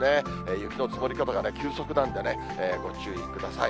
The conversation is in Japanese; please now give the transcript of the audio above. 雪の積もり方が急速なんでね、ご注意ください。